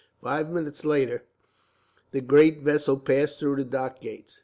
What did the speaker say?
Five minutes later, the great vessel passed through the dock gates.